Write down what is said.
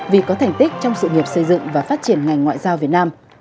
vì có thành tích trong sự nghiệp xây dựng và phát triển ngành ngoại giao việt nam